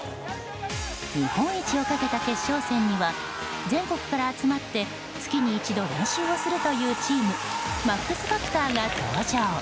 日本一をかけた決勝戦には全国から集まって、月に一度練習をするというチームマックスファクターが登場。